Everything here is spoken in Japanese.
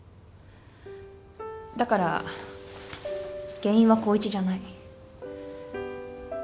だから原因は光一じゃない。